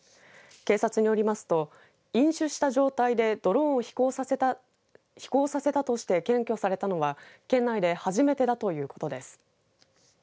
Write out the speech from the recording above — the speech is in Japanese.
警察によりますと飲酒した状態でドローンを飛行させたとして検挙されたのは県内で初めてだということです。